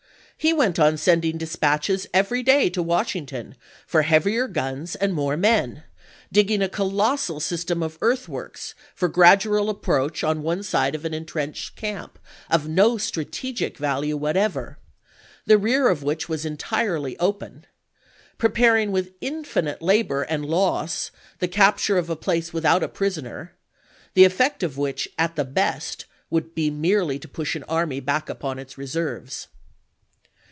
He went on sending dispatches every day to Washington for heavier guns and more men, digging a colossal system of earthworks for grad ual approach upon one side of an intrenched camp of no strategic value whatever, the rear of which was entu'ely open; preparing with infinite labor and loss the capture of a place without a prisoner, the efiiect of which at the best would be merely to push an army back upon its reserves.